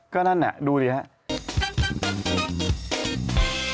ก็นั่นน่ะดูดิครับ